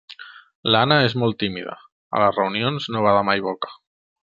L'Anna és molt tímida; a les reunions no bada mai boca.